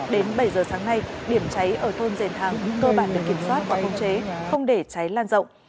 đến bảy h sáng nay điểm cháy ở thôn dền thang cơ bản được kiểm soát và phong chế không để cháy lan rộng